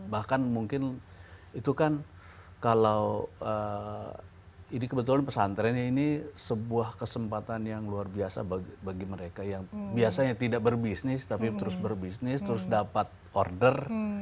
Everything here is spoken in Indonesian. bahkan mungkin itu kan kalau ini kebetulan pesantren ini sebuah kesempatan yang luar biasa bagi mereka yang biasanya tidak berbisnis tapi terus berbisnis terus dapat order